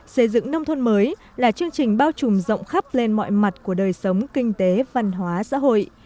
xây dựng nông thôn mới là chương trình bao trùm rộng khắp lên mọi mặt của đời sống kinh tế văn hóa xã hội